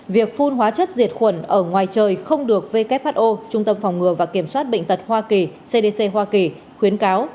việc phun hóa chất diệt khuẩn ở ngoài trời không được who trung tâm phòng ngừa và kiểm soát bệnh tật hoa kỳ cdc hoa kỳ khuyến cáo